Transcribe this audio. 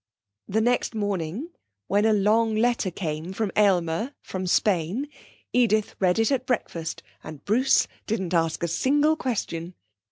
The next morning, when a long letter came from Aylmer, from Spain, Edith read it at breakfast and Bruce didn't ask a single question.